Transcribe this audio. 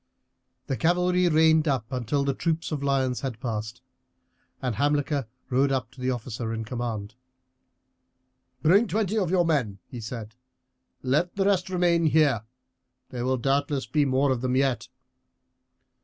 The cavalry reined up until the troop of lions had passed. Hamilcar rode up to the officer in command. "Bring twenty of your men," he said; "let the rest remain here. There will doubtless be more of them yet."